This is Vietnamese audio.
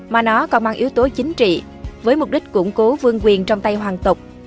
mà nó còn mang yếu tố chính trị với mục đích củng cố vương quyền trong tay hoàng tộc